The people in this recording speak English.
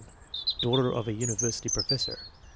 Daughter of a university professor.